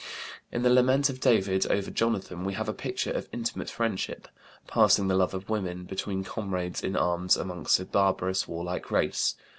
In the lament of David over Jonathan we have a picture of intimate friendship "passing the love of women" between comrades in arms among a barbarous, warlike race.